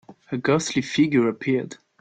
A ghostly figure appeared.